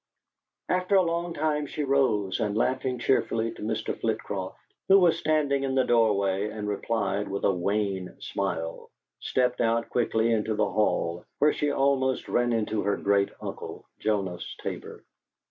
After a long time she rose, and laughing cheerfully to Mr. Flitcroft, who was standing in the doorway and replied with a wan smile, stepped out quickly into the hall, where she almost ran into her great uncle, Jonas Tabor.